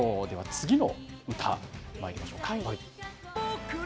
次の歌、まいりましょう。